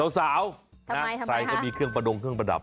สาวนะใครก็มีเครื่องประดงเครื่องประดับ